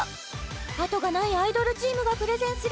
あとがないアイドルチームがプレゼンする